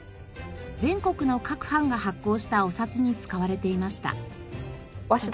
全国の各藩が発行したお札に使われていました。